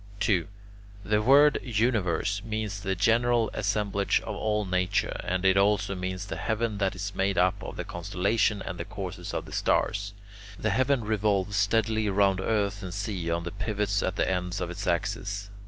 2. The word "universe" means the general assemblage of all nature, and it also means the heaven that is made up of the constellations and the courses of the stars. The heaven revolves steadily round earth and sea on the pivots at the ends of its axis.